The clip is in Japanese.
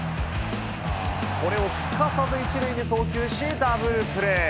これをすかさず１塁に送球し、ダブルプレー。